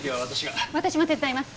私も手伝います。